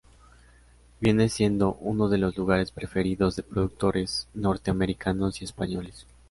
Viene siendo uno de los lugares preferidos de productores norteamericanos y españoles.